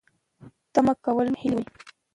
تمه کول مو هیلې وژني